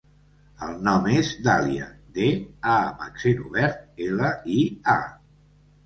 El nom és Dàlia: de, a amb accent obert, ela, i, a.